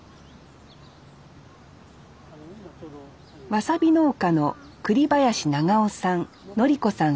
わさび農家の栗林長男さん教子さん